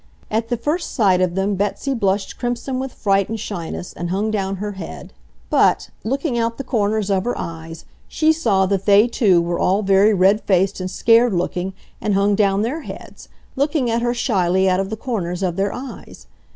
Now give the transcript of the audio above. At the first sight of them Betsy blushed crimson with fright and shyness, and hung down her head; but, looking out the corners of her eyes, she saw that they, too, were all very red faced and scared looking and hung down their heads, looking at her shyly out of the corners of their eyes.